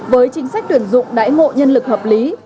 với chính sách tuyển dụng đáy ngộ nhân lực hợp lý